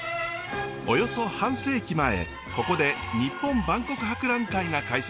およそ半世紀前ここで日本万国博覧会が開催されました。